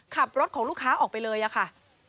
ขับรถของลูกค้าออกไปเลยอะค่ะ